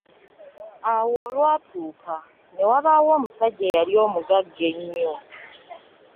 Awo olwatuuka, ne wabaawo omusajja eyali omugagga ennyo.